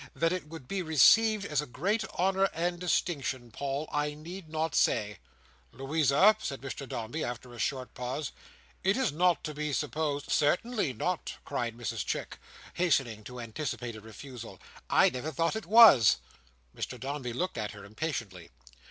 That it would be received as a great honour and distinction, Paul, I need not say." "Louisa," said Mr Dombey, after a short pause, "it is not to be supposed—" "Certainly not," cried Mrs Chick, hastening to anticipate a refusal, "I never thought it was." Mr Dombey looked at her impatiently.